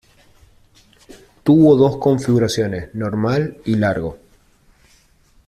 Tuvo dos configuraciones: normal y largo.